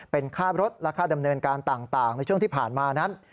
เป็นค่ารถและค่าดำเนินการต่างในช่วงที่ผ่านมานั้น